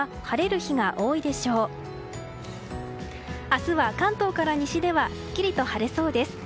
明日は関東から西ではすっきりと晴れそうです。